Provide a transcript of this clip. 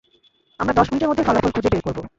আমরা দশ মিনিটের মধ্যে ফলাফল খুঁজে বের করব।